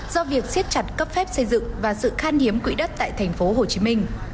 do việc siết chặt cấp phép xây dựng và sự khan hiếm quỹ đất tại tp hcm